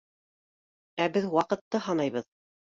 Ә беҙ ваҡытты һанайбыҙ.